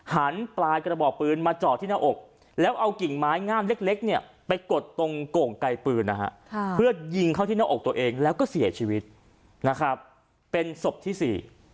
หันปลายกระบอกปืนมาจอดที่หน้าอกแล้วเอากิ่งไม้งามเล็กเล็กเนี่ยไปกดตรงโก่งไกลปืนนะฮะเพื่อยิงเข้าที่หน้าอกตัวเองแล้วก็เสียชีวิตนะครับเป็นศพที่สี่